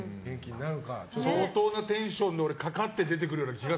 相当なテンションでかかって出てくる気が